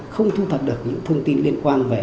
không thu thập được những thông tin liên quan về